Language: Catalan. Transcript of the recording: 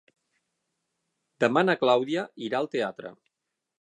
Demà na Clàudia irà al teatre.